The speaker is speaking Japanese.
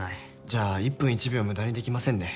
じゃあ１分１秒無駄にできませんね。